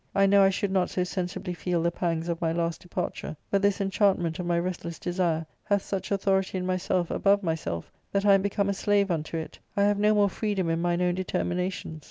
I know I should not so sensibly feel the pangs of my last departure. But this en chantment of my restless desire hath such authority in myself above myself that I am become a slave unto it ; I have no more freedom in mine own determinations.